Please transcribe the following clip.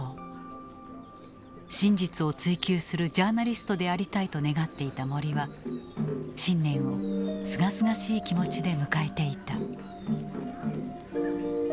真実を追求するジャーナリストでありたいと願っていた森は新年をすがすがしい気持ちで迎えていた。